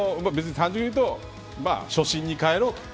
単純に言うと初心にかえろうと。